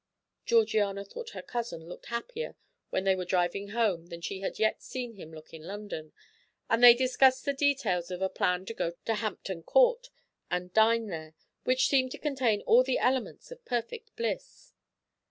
Georgiana thought her cousin looked happier when they were driving home than she had yet seen him look in London, and they discussed the details of a plan to go to Hampton Court and dine there, which seemed to contain all the elements of perfect bliss.